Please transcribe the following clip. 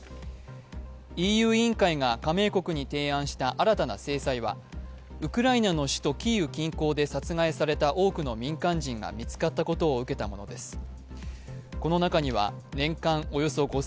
ＥＵ委員会が加盟国に提案した新たな制裁はウクライナの首都キーウ近郊で殺害された多くの民間人が見つかったことを受けたものです。